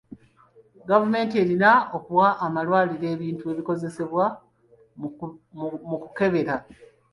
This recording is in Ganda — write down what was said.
Gavumenti erina okuwa amalwaliro ebintu ebikozesebwa mu kukebera.